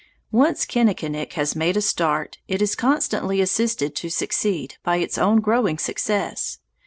Once Kinnikinick has made a start, it is constantly assisted to succeed by its own growing success.